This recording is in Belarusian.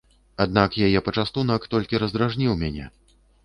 Аднак яе пачастунак толькі раздражніў мяне.